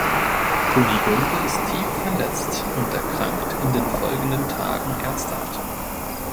Kunigunde ist tief verletzt und erkrankt in den folgenden Tagen ernsthaft.